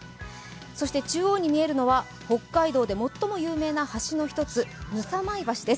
そして中央に見えるのは北海道で最も有名な橋の一つ、幣舞橋です。